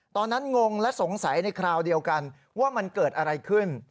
งงและสงสัยในคราวเดียวกันว่ามันเกิดอะไรขึ้น